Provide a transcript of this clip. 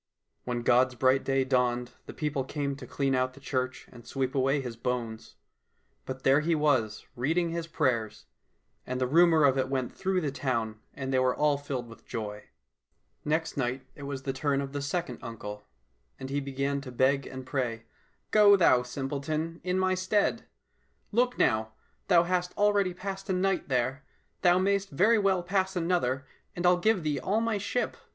When God's bright day dawned, the people came to clean out the church and sweep away his bones ; but there he was reading his prayers, and the rumour of it went through the town and they were all filled with joy. 87 COSSACK FAIRY TALES Next night it was the turn of the second uncle, and he began to beg and pray, " Go thou, simpleton, in my stead ! Look now, thou hast already passed a night there, thou mayst very well pass another, and I'll give thee all my ship."